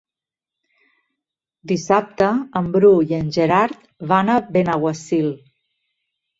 Dissabte en Bru i en Gerard van a Benaguasil.